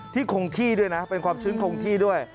คงที่ด้วยนะเป็นความชื้นคงที่ด้วย